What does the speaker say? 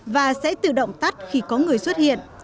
và sẽ tự động tắt khi có người xuất hiện